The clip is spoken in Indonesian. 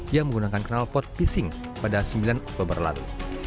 yang menggunakan knalpot pisik pada sembilan oktober lalu